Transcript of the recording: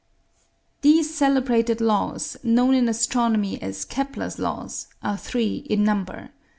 These celebrated laws, known in astronomy as Kepler's laws, are three in number.